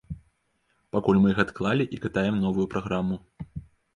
Пакуль мы іх адклалі і катаем новую праграму.